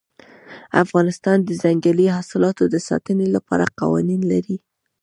افغانستان د ځنګلي حاصلاتو د ساتنې لپاره قوانین لري.